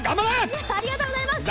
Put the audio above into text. ありがとうございます！